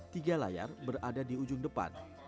tiga layar berada di ujung depan